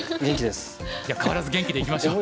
じゃあ変わらず元気でいきましょう！